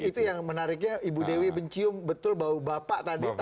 itu yang menariknya ibu dewi mencium betul bau bapak tadi